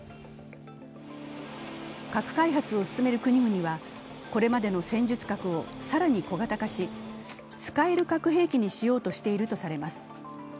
核開発を進める国々は、これまでの戦術核を更に小型化し使える核兵器にしようとしているとされます。